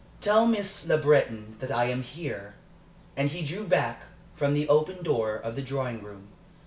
"Tell Miss Le Breton that I am here." And he drew back from the open door of the drawing room.